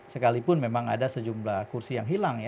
sekalipun memang ada sejumlah kursi yang hilang ya